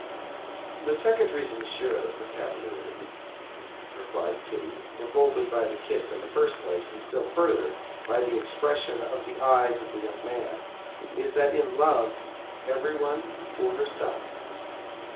"The second reason, Monsieur the Chevalier," replied Kitty, emboldened by the kiss in the first place, and still further by the expression of the eyes of the young man, "is that in love, everyone for herself!"